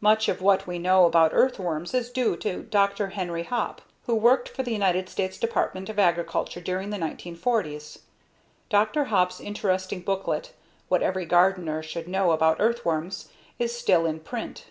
Much of what we know about earthworms is due to Dr. Henry Hopp who worked for the United States Department of Agriculture during the 1940s. Dr. Hopp's interesting booklet, What Every Gardener Should Know About Earthworms. is still in print.